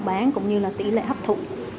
bán cũng như là tỷ lệ hấp thụ